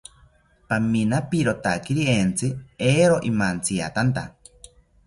Paminaperotakiri entzi, eero imantziatanta